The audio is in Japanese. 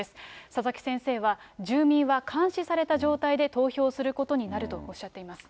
佐々木先生は、住民は監視された状態で投票することになるとおっしゃっています。